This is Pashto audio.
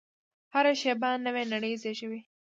هره شېبه نوې نړۍ زېږوي.